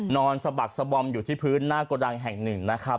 สะบักสะบอมอยู่ที่พื้นหน้ากระดังแห่งหนึ่งนะครับ